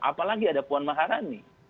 apalagi ada puan maharani